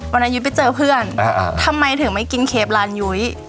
ยุ้ยไปเจอเพื่อนทำไมถึงไม่กินเคฟร้านยุ้ย